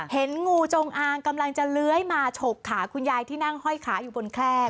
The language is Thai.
เห็นงูจงอางกำลังจะเลื้อยมาฉกขาคุณยายที่นั่งห้อยขาอยู่บนแคล่